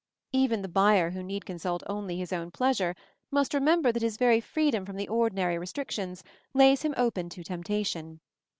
Even the buyer who need consult only his own pleasure must remember that his very freedom from the ordinary restrictions lays him open to temptation.